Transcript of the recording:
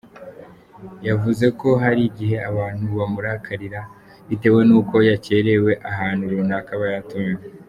Yavuze ko hari igihe abantu bamurakarira bitewe n’uko yacyererewe ahantu runaka aba yatumiwe.